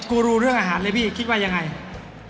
นี่กุ๊รุเรื่องอาหารเลยพี่คิดว่าอย่างไร